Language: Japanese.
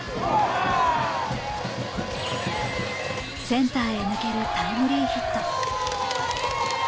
センターへ抜けるタイムリーヒット。